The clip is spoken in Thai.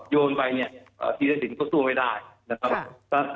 โยนไปเนี้ยอ่ายี่สิ่งก็ตู้ไม่ได้ครับ